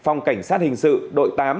phòng cảnh sát hình sự đội tám